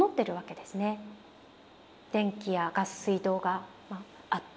電気やガス水道があって。